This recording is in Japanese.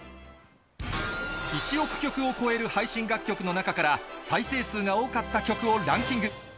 １億曲を超える配信楽曲の中から、再生数が多かった曲をランキング。